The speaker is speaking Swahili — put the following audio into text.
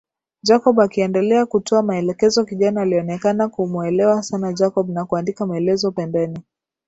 Jacob akiendelea kutoa maelekezo kijana alionekana kumuelewa sana Jacob na kuandika maelezo pembeni